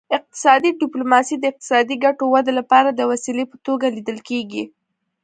اقتصادي ډیپلوماسي د اقتصادي ګټو ودې لپاره د وسیلې په توګه لیدل کیږي